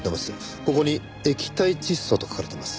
ここに「液体窒素」と書かれてます。